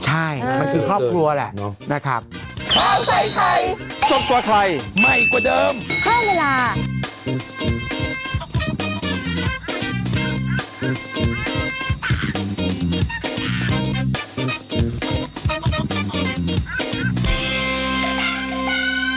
ใช่มันคือครอบครัวแหละนะครับ